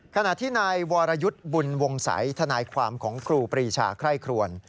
ขณะที่นายวรยุทธ์บุญวงศัยทนายความของครูปรีชาไคร่ครวน